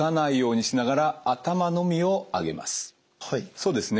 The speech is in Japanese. そうですね。